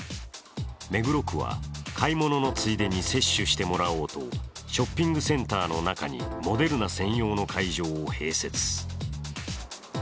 目黒区は買い物のついでに接種してもらうとショッピングセンターの中にモデルナ専用の会場を併設。